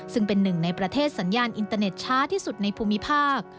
ซึ่งเป็นหนึ่งในประเทศสัญญาณอินเตอร์เน็ตช้าที่สุดในภูมิภาค